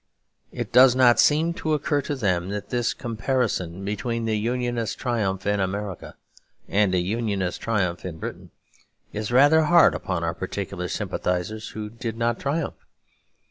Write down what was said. It does not seem to occur to them that this comparison between the Unionist triumph in America and a Unionist triumph in Britain is rather hard upon our particular sympathisers, who did not triumph.